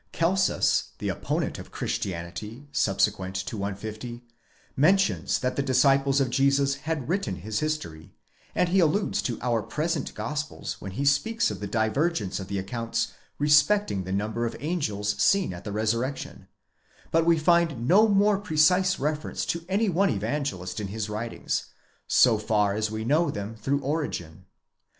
Celsus,® the opponent of Christianity, (subsequent to 150) mentions that the disciples of Jesus had written his history, and he alludes to our present Gospels when he speaks of the divergence of the accounts respecting the number of angels seen at the resurrection; but we find no more precise reference to any one Evangelist in his writings, so far as we know them through Origen.